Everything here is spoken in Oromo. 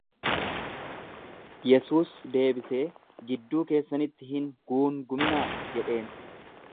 Yesuus deebisee, Gidduu keessanitti hin guunguminaa jedheen.